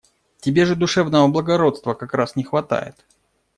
Тебе же душевного благородства как раз не хватает.